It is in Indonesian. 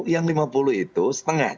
yang lima puluh itu setengah